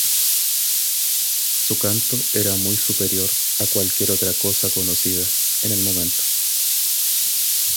Su canto era muy superior a cualquier otra cosa conocida en el momento.